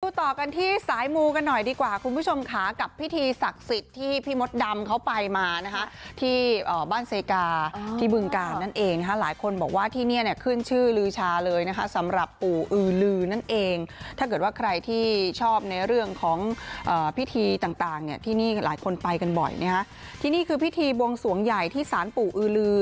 ต่อกันที่สายมูกันหน่อยดีกว่าคุณผู้ชมค่ะกับพิธีศักดิ์สิทธิ์ที่พี่มดดำเขาไปมานะคะที่บ้านเซกาที่บึงกาลนั่นเองนะคะหลายคนบอกว่าที่เนี่ยขึ้นชื่อลือชาเลยนะคะสำหรับปู่อือลือนั่นเองถ้าเกิดว่าใครที่ชอบในเรื่องของพิธีต่างต่างเนี่ยที่นี่หลายคนไปกันบ่อยนะฮะที่นี่คือพิธีบวงสวงใหญ่ที่สารปู่อือลือ